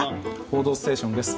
「報道ステーション」です。